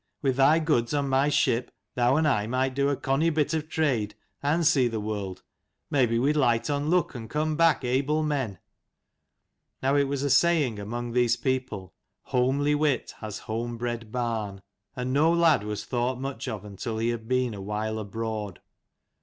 With thy goods on my ship, thou and I might do a conny bit of trade, and see the world : maybe we'd light on luck, and come back able men." Now it was a saying among these people " Homely wit has homebred barn :" and no lad was thought much of until he had been awhile abroad.